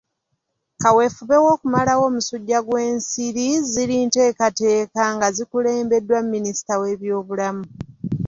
Kaweefube w'okumalawo omusujja gw'ensiri ziri nteekateeka nga zikulembeddwamu minisita w'ebyobulamu.